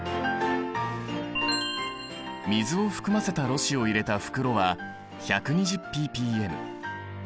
水を含ませたろ紙を入れた袋は１２０ｐｐｍ。